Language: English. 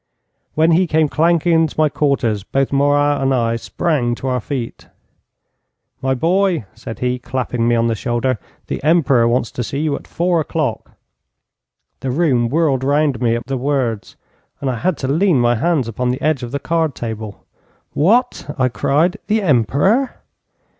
When he came clanking into my quarters, both Morat and I sprang to our feet. 'My boy,' said he, clapping me on the shoulder, 'the Emperor wants to see you at four o'clock.' The room whirled round me at the words, and I had to lean my hands upon the edge of the card table. 'What?' I cried. 'The Emperor!'